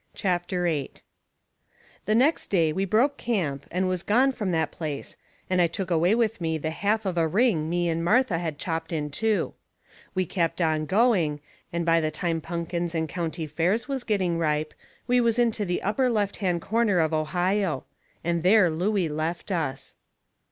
CHAPTER VIII The next day we broke camp and was gone from that place, and I took away with me the half of a ring me and Martha had chopped in two. We kept on going, and by the time punkins and county fairs was getting ripe we was into the upper left hand corner of Ohio. And there Looey left us.